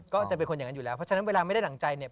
ก็จะเป็นคนอย่างนั้นอยู่แล้วเพราะฉะนั้นเวลาไม่ได้ดั่งใจเนี่ย